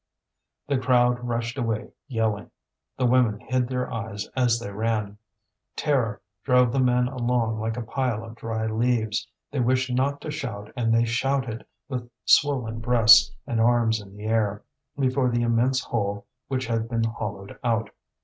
The crowd rushed away yelling. The women hid their eyes as they ran. Terror drove the men along like a pile of dry leaves. They wished not to shout and they shouted, with swollen breasts, and arms in the air, before the immense hole which had been hollowed out.